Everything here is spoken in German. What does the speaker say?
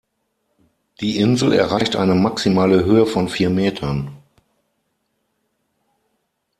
Die Insel erreicht eine maximale Höhe von vier Metern.